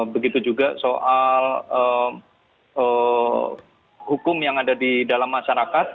begitu juga soal hukum yang ada di dalam masyarakat